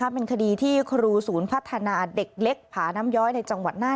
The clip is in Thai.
เป็นคดีที่ครูศูนย์พัฒนาเด็กเล็กผาน้ำย้อยในจังหวัดน่าน